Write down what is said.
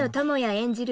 演じる